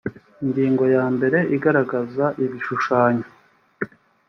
ingingo ya mbere igaragaza ibishushanyo .